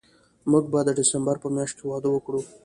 موږ به د ډسمبر په میاشت کې واده وکړو